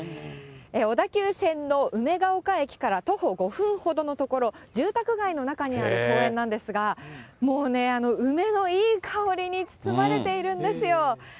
小田急線の梅ヶ丘駅から徒歩５分ほどの所、住宅街の中にある公園なんですが、もうね、梅のいい香りに包まれているんですよ。